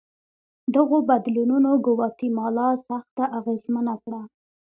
دغو بدلونونو ګواتیمالا سخته اغېزمنه کړه.